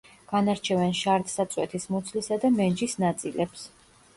განარჩევენ შარდსაწვეთის მუცლისა და მენჯის ნაწილებს.